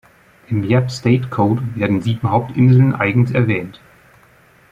Im Yap State Code werden sieben Hauptinseln eigens erwähnt.